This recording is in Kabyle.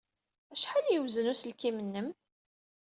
Acḥal ay yewzen uselkim-nnem?